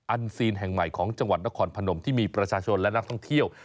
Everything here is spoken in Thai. อันซีนแห่งใหม่ของจังหวัดนครพนมที่มีประชาชนและนักท่องเที่ยว